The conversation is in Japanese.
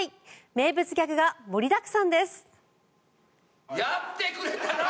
名物ギャグが盛りだくさんです。